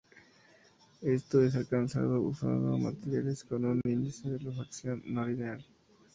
Esto es alcanzado usando materiales con un índice de refracción no lineal.